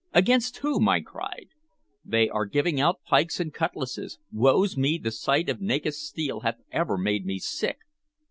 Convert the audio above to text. "Against whom?" I cried. "They are giving out pikes and cutlasses! Woe's me, the sight of naked steel hath ever made me sick!"